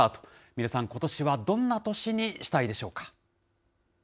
皆さん、ことしはどんな年にしたいでしょうか。